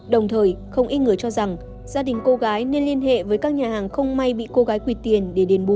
đồng thời không ít người cho rằng gia đình cô gái nên liên hệ với các nhà hàng không may bị cô gái quỳt tiền để điền bù